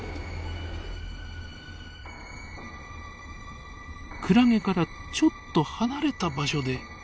クラゲからちょっと離れた場所で光っています。